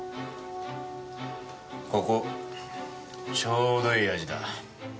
ここちょうどいい味だ。